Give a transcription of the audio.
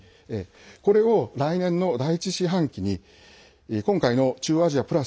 これを来年の第１四半期に今回の中央アジアプラス